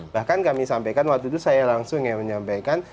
bahkan kami sampaikan waktu itu saya langsung ya menyampaikan